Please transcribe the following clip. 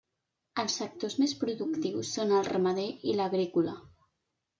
Els sectors més productius són el ramader i l'agrícola.